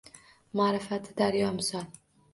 Maʼrifati daryo misol